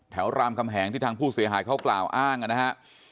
รามคำแหงที่ทางผู้เสียหายเขากล่าวอ้างนะฮะ